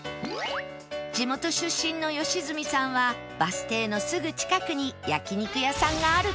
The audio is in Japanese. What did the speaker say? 地元出身の良純さんはバス停のすぐ近くに焼肉屋さんがあると予想